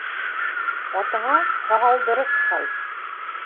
Атыңа һағалдырыҡ һал.